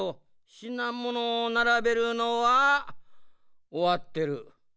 しなものをならべるのはおわってる。